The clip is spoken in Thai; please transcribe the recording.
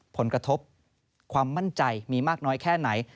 ผลกระทบความมั่นใจมีมากน้อยแค่ไหน